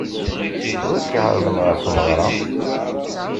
Wi k-iɛeṛḍen ɣer tmeɣṛa?